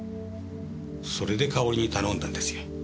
それでかおりに頼んだんですよ。